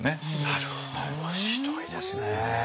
なるほど面白いですね。